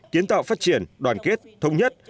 kiến tạo phát triển đoàn kết thống nhất